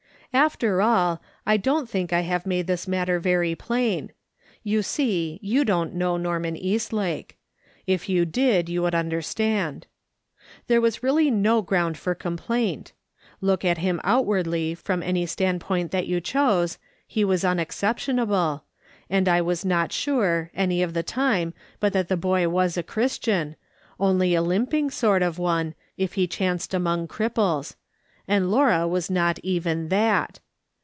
After all, I don't tliiuk I have made this matter very plain. You see, you don't know Norman East lake ; if you did you would understand. There was really no ground for complaint ; look at him out wardly from any stand[)oint that you chose, he was unexceptionable ; and I was not sure, any of the time, but that the boy was a Christian, only a limping sort of one, if he chanced among cripples ; and Laura was not even that.